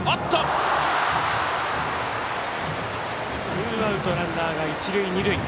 ツーアウト、ランナーが一塁二塁。